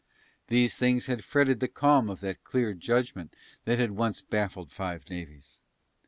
These things had fretted the calm of that clear judgment that had once baffled five navies.